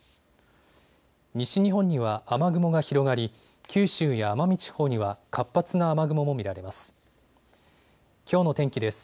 西日本には雨雲が広がり九州や奄美地方には活発な雨雲も見られます。